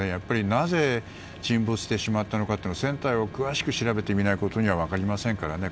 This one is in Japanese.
なぜ沈没したのかは船体を詳しく調べてみないことには分かりませんからね。